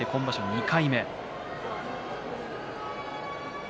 ２回目。